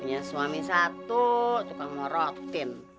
punya suami satu tukang ngeroktin